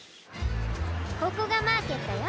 ここがマーケットよ。